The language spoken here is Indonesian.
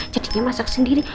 jadinya masak sendiri